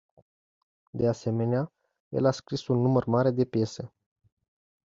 De asemenea, el a scris un număr mare de piese